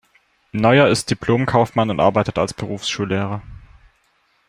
Neuer ist Diplom-Kaufmann und arbeitet als Berufsschullehrer.